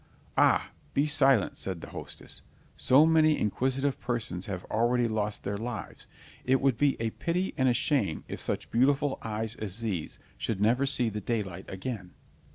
"Ah, be silent," said the hostess; "so many inquisitive persons have already lost their lives, it would be a pity and a shame if such beautiful eyes as these should never see the daylight again."